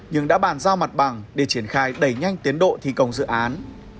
nhưng đã bàn giao mặt bằng để triển khai đẩy nhanh tiến độ thi công dự án